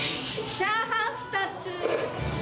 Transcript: チャーハン２つ。